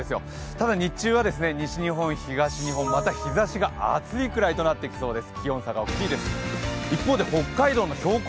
ただ日中は西日本、東日本、また日ざしが暑いくらいとなってきそうです。